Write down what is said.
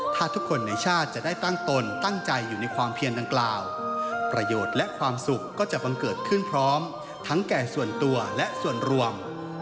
ถ้าทุกคนในชาติจะได้ตั้งตนตั้งใจอยู่ในความเพียรดังกล่าวประโยชน์และความสุขก็จะบังเกิดขึ้นพร้อมทั้งแก่ส่วนตัวและส่วนรวม